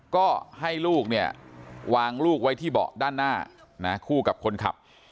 ก็ให้ลูกเนี่ยวางลูกไว้ที่เบาะด้านหน้าคู่กับคนขับ